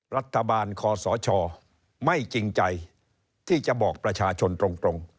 รัฐบาลคอสชไม่จริงใจที่จะบอกประชาชนตรง